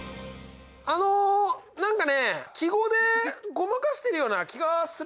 あの何かね記号でごまかしてるような気がするなあ。